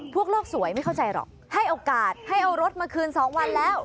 โลกสวยไม่เข้าใจหรอกให้โอกาสให้เอารถมาคืน๒วันแล้ว